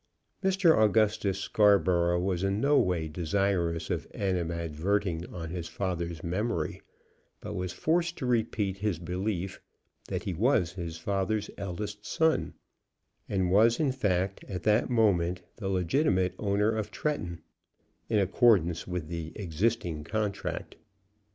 Mr. Augustus Scarborough was in no way desirous of animadverting on his father's memory, but was forced to repeat his belief that he was his father's eldest son, and was, in fact, at that moment the legitimate owner of Tretton, in accordance with the existing contract.